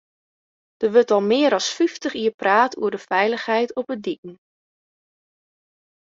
Der wurdt al mear as fyftich jier praat oer de feilichheid op de diken.